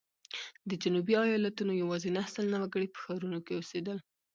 د جنوبي ایالتونو یوازې نهه سلنه وګړي په ښارونو کې اوسېدل.